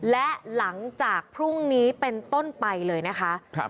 และหลังจากพรุ่งนี้เป็นต้นไปเลยนะคะ